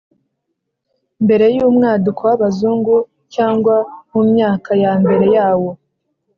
mbere y' umwaduko w' abazungu cyangwa mu myaka ya mbere yawo